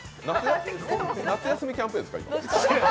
夏休みキャンペーンですか？